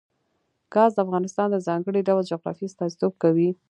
ګاز د افغانستان د ځانګړي ډول جغرافیه استازیتوب کوي.